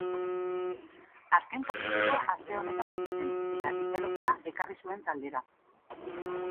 Azken kapitulua aste honetan bizi zen, eta itxaropena ekarri zuen taldera.